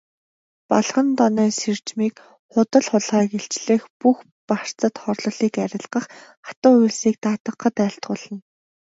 Балгандонойн сэржмийг худал хулгайг илчлэх, бүх барцад хорлолыг арилгах, хатуу үйлсийг даатгахад айлтгуулна.